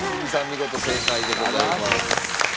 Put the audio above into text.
見事正解でございます。